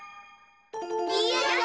やった！